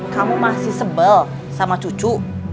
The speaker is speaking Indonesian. kamu masih sebel sama cucu